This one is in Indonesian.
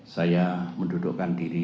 saya mendudukkan diri